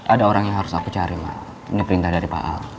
ada orang yang harus aku cari pak ini perintah dari pak al